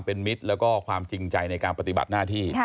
เป็นมิตรแล้วก็ความจริงใจในการปฏิบัติหน้าที่